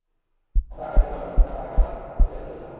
আমরা আকারে ছোটখাটো, মনটা মায়ায় ভরা, এখানে কবি আছে, যোদ্ধা কম।